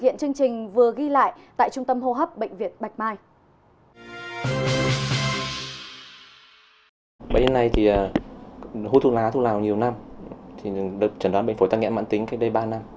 bệnh nhân này hút thuốc lá thuốc lào nhiều năm trần đoán bệnh phổi tăng nghẽn mạng tính cách đây ba năm